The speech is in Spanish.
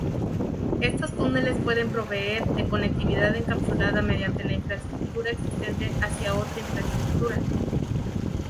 Estos túneles pueden proveer de conectividad encapsulada mediante la infraestructura existente hacia otra infraestructura.